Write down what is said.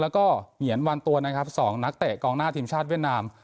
แล้วก็เหงียนวันตัวนะครับ๒นักเตะกองหน้าทีมชาติเวียดนาม